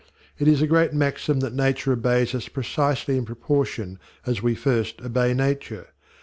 It is a great maxim that Nature obeys us precisely in proportion as we first obey Nature.